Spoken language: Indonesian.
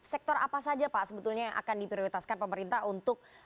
sektor apa saja pak sebetulnya yang akan diprioritaskan pemerintah untuk